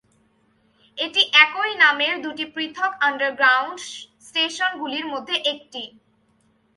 এটি একই নামের দুটি পৃথক আন্ডারগ্রাউন্ড স্টেশনগুলির মধ্যে একটি।